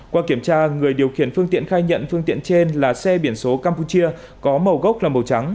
qua kiểm tra người điều khiển phương tiện khai nhận phương tiện trên là xe biển số campuchia có màu gốc là màu trắng